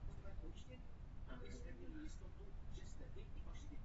To potvrdilo několik archeologických objevů.